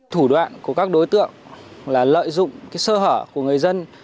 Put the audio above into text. thủ đoạn của các đối tượng là lợi dụng sơ hở của người dân